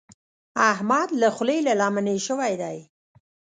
احمد له خولې له لمنې شوی دی.